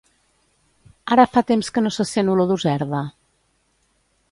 Ara fa temps que no se sent olor d'userda